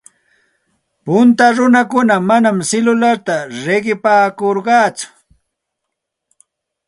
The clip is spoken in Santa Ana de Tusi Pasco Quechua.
Punta runakuna manam silularta riqipaakurqatsu.